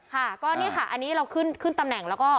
ค่ะก็นี่ค่ะอันนี้เราขึ้นขึ้นตำแหน่งแล้วก็